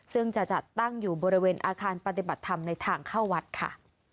ซึ่งจะจัดตั้งอยู่บริเวณอาคารปฏิบัติธรรมในทางเข้าวัดค่ะ